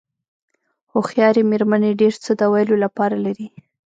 هوښیارې مېرمنې ډېر څه د ویلو لپاره لري.